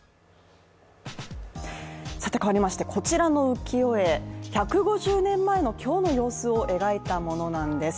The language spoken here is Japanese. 変わりまして、こちらの浮世絵１５０年前の今日の様子を描いたものなんです。